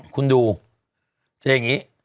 คุณดูจะอย่างนี้